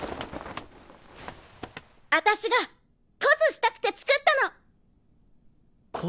私がコスしたくて作ったの！